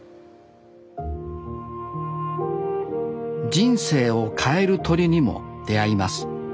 人生を変える鳥にも出会います。